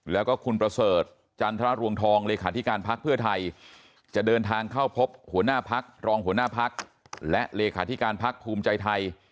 แล้วก็คุณประเสริฐจันทรรวงทองเลขาธิการพักเพื่อไทยจะเดินทางเข้าพบหัวหน้าพักรองหัวหน้าพักและเลขาธิการพักภูมิใจไทย